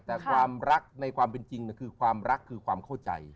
แต่ความรักในความเป็นจริงคือความรักคือความเข้าใจ